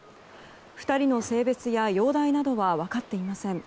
２人の性別や容体などは分かっていません。